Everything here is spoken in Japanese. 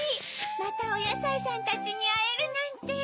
またおやさいさんたちにあえるなんて。